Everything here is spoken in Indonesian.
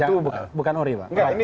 itu bukan anggota komisi dua